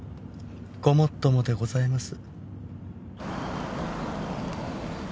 ごもっともでございます。